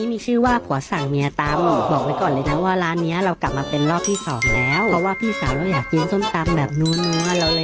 เมนูน่าทานบรรยากาศน่าไปจริงเลยค่ะ